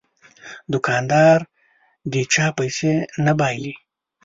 دوکاندار د چا پیسې نه بایلي.